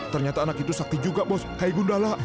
ternyata anak itu sakti juga bos kayak gundala